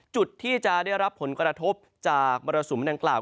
จุดที่จะได้รับผลกระทบจากบริษัทสูงแม่งกล่าว